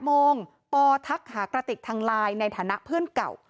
โมงปอทักหากระติกทางไลน์ในฐานะเพื่อนเก่า